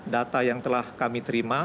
data yang telah kami terima